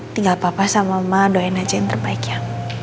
tinggal papa sama mama doain aja yang terbaik ya